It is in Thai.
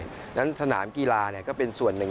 เพราะฉะนั้นสนามกีฬาก็เป็นส่วนหนึ่ง